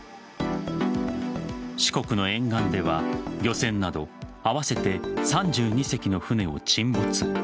四国の沿岸では漁船など合わせて３２隻の船を沈没。